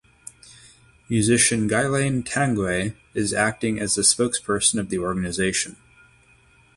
Musician Guylaine Tanguay is acting as the spokesperson of the organization.